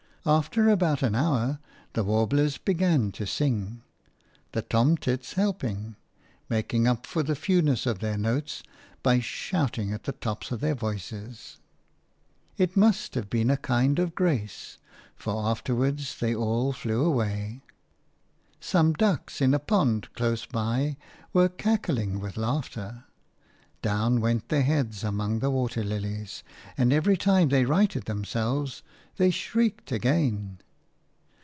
After about an hour the warblers began to sing, the tomtits helping, making up for the fewness of their notes by shouting at the tops of their voices. It must have been a kind of grace, for afterwards they all flew away. Some ducks in a pond close by were cackling with laughter; down went their heads among the water lilies, and every time they righted themselves they shrieked again.